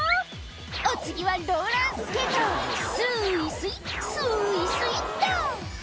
「お次はローラースケートスイスイスイスイっと」